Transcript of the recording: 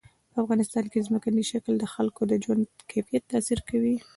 په افغانستان کې ځمکنی شکل د خلکو د ژوند کیفیت تاثیر کوي.